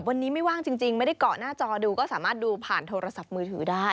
วันนี้ไม่ว่างจริงไม่ได้เกาะหน้าจอดูก็สามารถดูผ่านโทรศัพท์มือถือได้